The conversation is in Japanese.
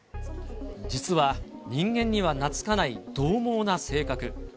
実は、人間には懐かないどう猛な性格。